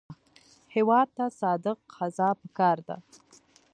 هېواد ته صادق قضا پکار ده